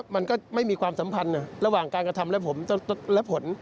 มันก็ไม่มีความสัมพันธ์ระหว่างการกระทำและผล